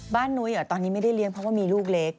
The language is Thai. นุ้ยตอนนี้ไม่ได้เลี้ยงเพราะว่ามีลูกเล็ก